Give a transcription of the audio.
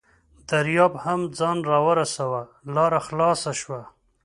دریاب هم ځان راورساوه، لاره خلاصه شوه.